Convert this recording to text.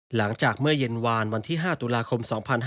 หลังจากเมื่อเย็นวานวันที่๕ตุลาคม๒๕๕๙